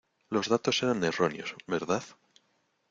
Los datos eran erróneos, ¿verdad?